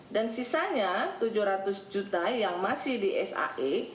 dan sisanya rp tujuh ratus juta yang masih di sae